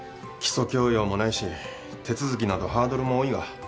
基礎教養もないし手続きなどハードルも多いが。